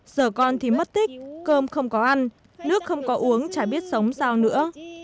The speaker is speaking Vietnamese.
giờ con thì mất tích cơm không có ăn nước không có uống chả biết sống sao nữa